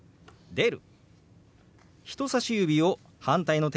「出る」。